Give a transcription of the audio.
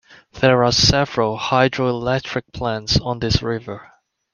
There are several hydroelectric plants on this river.